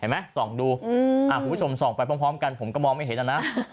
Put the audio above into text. ผมพี่สมส่องไปพร้อมกันผมก็มองไม่เห็นอ่ะนะ